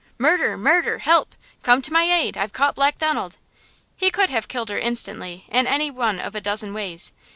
murder! murder! help! Come to my aid! I've caught Black Donald!" He could have killed her instantly in any one of a dozen ways.